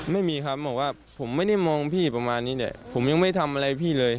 ไม่มีครับบอกว่าผมไม่ได้มองพี่ประมาณนี้เนี่ยผมยังไม่ทำอะไรพี่เลย